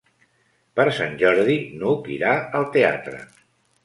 Per Sant Jordi n'Hug irà al teatre.